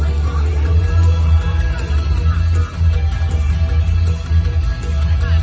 มันเป็นเมื่อไหร่แล้ว